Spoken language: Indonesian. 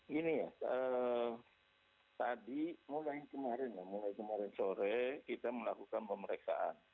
gini ya tadi mulai kemarin ya mulai kemarin sore kita melakukan pemeriksaan